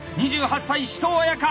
２８歳紫桃綾香。